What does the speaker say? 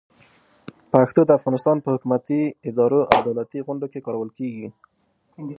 پښتو د افغانستان په حکومتي ادارو او دولتي غونډو کې کارول کېږي.